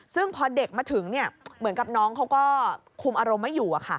ซึ่งพอเด็กมาถึงเหมือนกับน้องเขาก็คุมอารมณ์ไม่อยู่